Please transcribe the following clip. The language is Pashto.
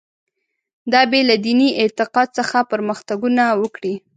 دا بې له دیني اعتقاد څخه پرمختګونه وکړي.